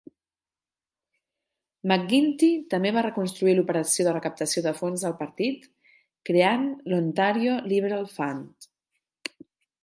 McGuinty també va reconstruir l'operació de recaptació de fons del partit, creant l'Ontario Liberal Fund.